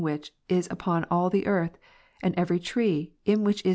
seed which is upon all the earth ; and every tree, in which is B.